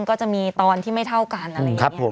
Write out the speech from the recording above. ก็จะมีตอนที่ไม่เท่ากันอะไรอย่างนี้